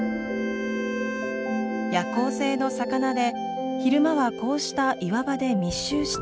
夜行性の魚で昼間はこうした岩場で密集して休みます。